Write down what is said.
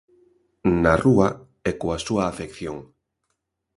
Na rúa e coa súa afección.